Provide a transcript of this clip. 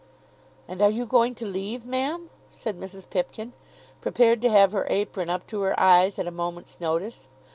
"And are you going to leave, ma'am?" said Mrs. Pipkin, prepared to have her apron up to her eyes at a moment's notice.